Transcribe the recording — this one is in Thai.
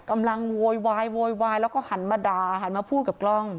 โวยวายโวยวายแล้วก็หันมาด่าหันมาพูดกับกล้อง